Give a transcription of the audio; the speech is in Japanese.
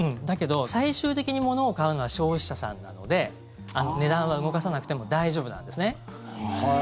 だけど、最終的にものを買うのは消費者さんなので値段は動かさなくても大丈夫なんですね。